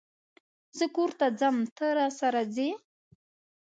زه کور ته ځم ته، راسره ځئ؟